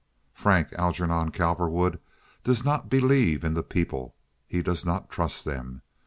Frank Algernon Cowperwood does not believe in the people; he does not trust them.